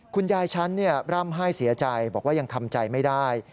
คุณยายฉันร่ำไห้เสียใจบอกว่ายังทำใจไม่ได้